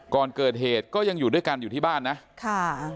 ก่อนเกิดเหตุก็ยังอยู่ด้วยกันอยู่ที่บ้านนะค่ะ